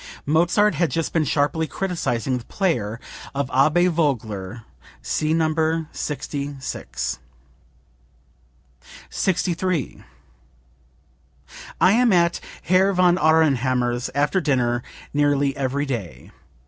Mozart had just been sharply criticizing the playing of Abbe Vogler. [See No. 66.]) 63. "I am at Herr von Aurnhammer's after dinner nearly every day.